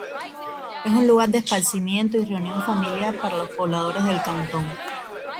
Es un lugar de esparcimiento y reunión familiar para los pobladores del cantón.